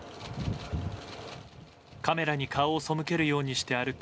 カメラに顔をそむけるようにして歩く